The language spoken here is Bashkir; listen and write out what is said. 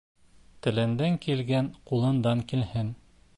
Телеңдән килгән ҡулыңдан килһен.